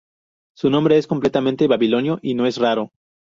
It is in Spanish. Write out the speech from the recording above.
Su nombre es completamente babilonio, y no es raro.